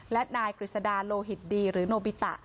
และนายกฤษดาโลหิตดีหรือโนบิตะ